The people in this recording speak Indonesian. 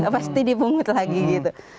pasti dipungut lagi gitu